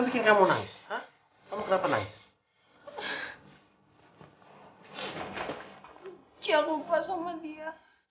jangan lupa sama dia